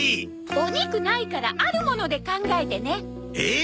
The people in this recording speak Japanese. お肉ないからあるもので考えてね。え？